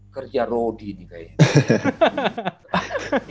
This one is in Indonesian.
kerja rodi ini kayaknya